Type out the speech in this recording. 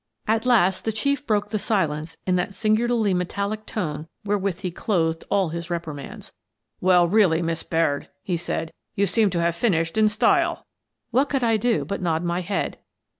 At last the Chief broke the silence in that singu larly metallic tone wherewith he clothed all his reprimands. " Well, really, Miss Baird," he said, " you seem to have finished in style." What could I do but nod my head?